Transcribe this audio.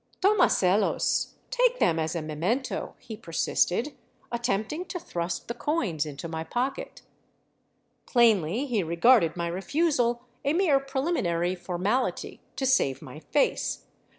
" Tomaselos — take them as a memento," he persisted, attempting to thrust the coins into my pocket. Plainly he regarded my refusal a mere preliminary formality to save my face.